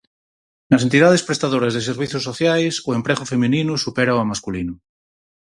Nas entidades prestadoras de servizos sociais o emprego feminino supera ao masculino.